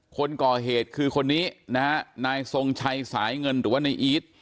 คนก่อเหตุคือคนนี้นะฮะนายทรงชัยสายเงินหรือว่าในอีท